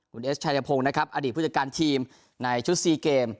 คุณเอสชายพงศ์นะครับอดีตผู้จัดการทีมในชุด๔เกม